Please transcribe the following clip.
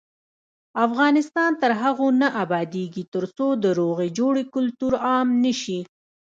افغانستان تر هغو نه ابادیږي، ترڅو د روغې جوړې کلتور عام نشي.